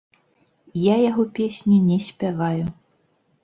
Я яго песню не спяваю.